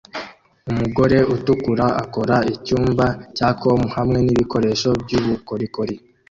Umugore utukura akora icyumba cya com hamwe nibikoresho byubukorikori